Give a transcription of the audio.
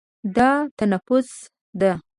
دا تنفس ده.